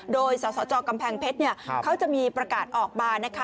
โดยสสจกำแพงเพชรเขาจะมีประกาศออกมานะคะ